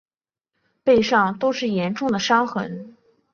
背上都是严重的伤痕